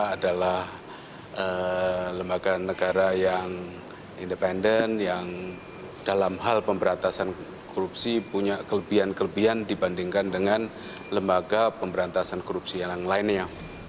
adalah lembaga negara yang independen yang dalam hal pemberantasan korupsi punya kelebihan kelebihan dibandingkan dengan lembaga pemberantasan korupsi yang lainnya